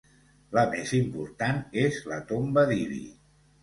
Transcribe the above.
La més important és la tomba d'Ibi.